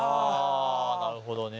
なるほどね。